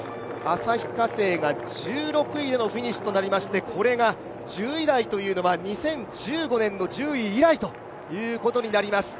旭化成が１６位でのフィニッシュとなりましてこれが１０位台というのは２０１５年の１０位以来ということになります。